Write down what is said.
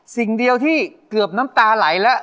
สิ่งเดียวที่เกือบน้ำตาไหลแล้ว